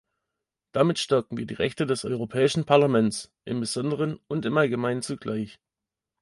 Damit stärken wir die Rechte des Europäischen Parlaments im besonderen und im allgemeinen zugleich.